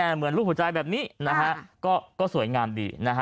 เหมือนลูกหัวใจแบบนี้ก็สวยงามดี